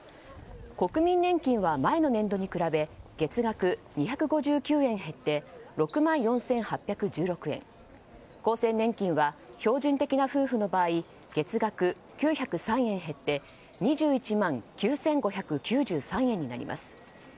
国民年金は前の年度に比べ月額２５９円減って６万４８１６円厚生年金は標準的な夫婦の場合月額９０３円減って２１万９５９３円になります。